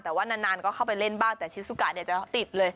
แต่ว่านานก็เข้าไปเล่นบ้างแต่ชิสุกะจะติดเลย